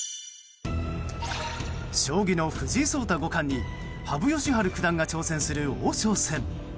将棋の藤井聡太五冠に羽生善治九段が挑戦する王将戦。